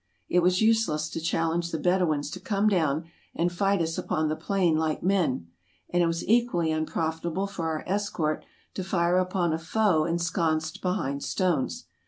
It was useless to challenge the Bedouins to come down and fight us upon the plain like men ; and it was equally unprofitable for our escort to fire upon a foe ensconced behind stones.